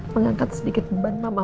mengangkat sedikit beban mama